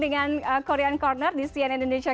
dengan korean corner di cnn indonesia